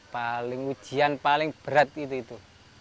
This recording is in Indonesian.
paling ujian paling berat itu itu